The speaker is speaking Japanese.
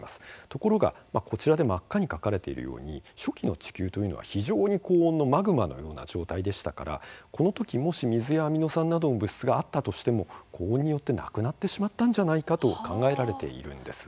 ところが、こちらで真っ赤に描かれているように初期の地球というのは非常に高温のマグマのような状態でしたから、このときもし水やアミノ酸などの物質があったとしても、高温によってなくなってしまったんじゃないかと考えられているんです。